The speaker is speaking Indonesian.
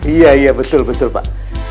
iya iya betul betul pak